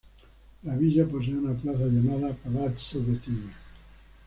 La villa posee una plaza llamada Palazzo Bettina.